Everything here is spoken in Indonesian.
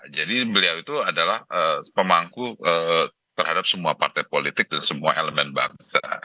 jadi beliau itu adalah pemangku terhadap semua partai politik dan semua elemen bangsa